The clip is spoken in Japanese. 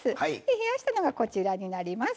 冷やしたのがこちらになります。